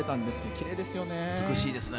きれいですよね。